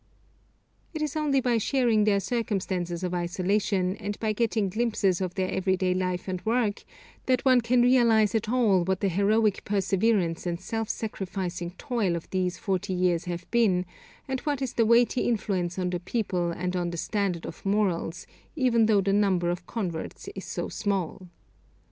It is only by sharing their circumstances of isolation, and by getting glimpses of their everyday life and work, that one can realise at all what the heroic perseverance and self sacrificing toil of these forty years have been, and what is the weighty influence on the people and on the standard of morals, even though the number of converts is so small.